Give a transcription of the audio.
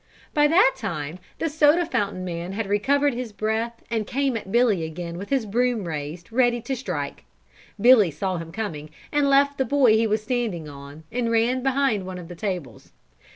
By that time the soda fountain man had recovered his breath and came at Billy again with his broom raised ready to strike. Billy saw him coming and left the boy he was standing on, and ran behind one of the tables.